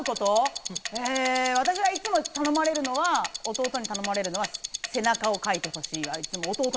私がいつも頼まれるのが弟に頼まれるのが背中をかいてほしい。